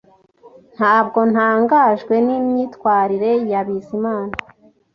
Ntabwo ntangajwe nimyitwarire ya Bizimana